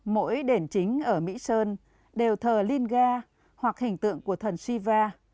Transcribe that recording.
mỗi đền chính ở mỹ sơn đều thờ linga hoặc hình tượng của thần shiva